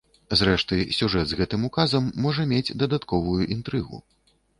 Зрэшты, сюжэт з гэтым указам можа мець дадатковую інтрыгу.